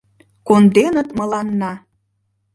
Конденыт мыланна